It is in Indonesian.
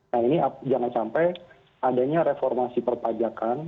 nah ini jangan sampai adanya reformasi perpajakan